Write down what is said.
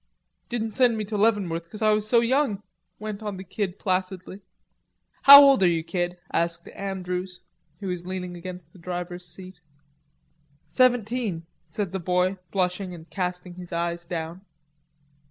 "Didn't send me to Leavenworth 'cause I was so young," went on the kid placidly. "How old are you, kid?" asked Andrews, who was leaning against the driver's seat. "Seventeen," said the boy, blushing and casting his eyes down.